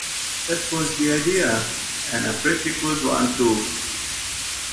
That was the idea, and a pretty good one too.